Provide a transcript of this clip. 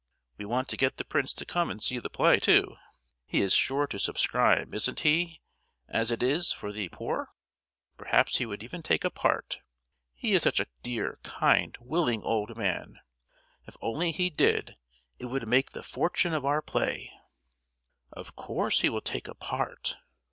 We want to get the prince to come and see the play, too! He is sure to subscribe, isn't he—as it is for the poor? Perhaps he would even take a part; he is such a dear, kind, willing old man. If only he did, it would make the fortune of our play!" "Of course he will take a part!